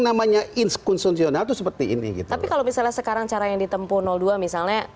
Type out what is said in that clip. namanya inskonsumsi onatu seperti ini gitu kalau misalnya sekarang cara yang ditempuh dua misalnya